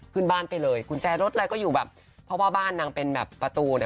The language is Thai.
ขึ้นบ้านไปเลยกุญแจรถอะไรก็อยู่แบบเพราะว่าบ้านนางเป็นแบบประตูเนี่ย